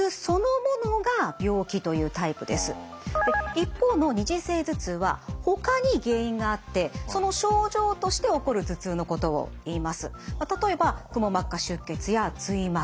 一方の二次性頭痛はほかに原因があってその症状として起こる頭痛のことをいいます。